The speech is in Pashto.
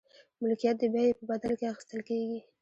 ملکیت د بیې په بدل کې اخیستل کیږي.